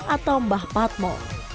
atau mbah padmo